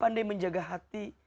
pandai menjaga hati